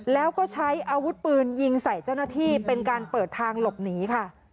แล้วก็ใช้อาวุธปืนยิงใส่เจ้าหน้าที่เป็นการเปิดทางหลบหนีค่ะ